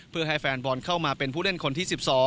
เพื่อให้แฟนบอลเข้ามาเป็นผู้เล่นคนที่๑๒